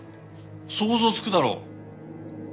想像つくだろう？